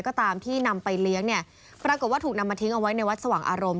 ก็ตามที่นำไปเลี้ยงเนี่ยปรากฏว่าถูกนำมาทิ้งเอาไว้ในวัดสว่างอารมณ์